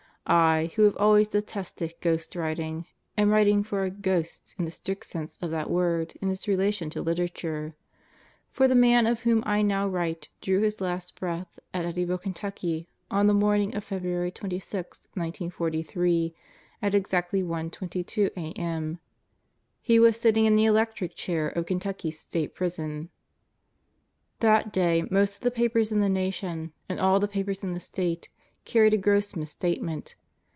I, who have always de tested ghost writing, am writing for a "ghost" in the strict sense of that word in its relation to literature. For the man of whom I now write drew his last breath at Eddyville, Kentucky, on the morning of February 26, 1943, at exactly 1:22 a.m. He was sitting in the electric chair of Kentucky's State Prison. That day most of the papers in the nation, and all the papers in the state, carried a gross misstatement.